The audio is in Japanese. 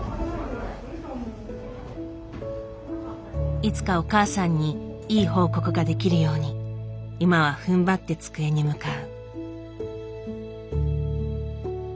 いつかお母さんにいい報告ができるように今はふんばって机に向かう。